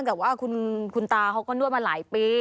กับว่าคุณตาเขาก็นวดมาหลายปี